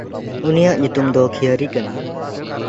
ᱩᱱᱤᱭᱟᱜ ᱧᱩᱛᱩᱢ ᱫᱚ ᱠᱷᱤᱭᱟᱨᱤ ᱠᱟᱱᱟ᱾